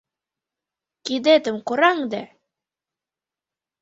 — Кидетым кораҥде!